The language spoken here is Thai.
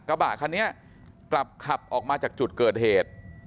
กระบะคันนี้กลับขับออกมาจากจุดเกิดเหตุ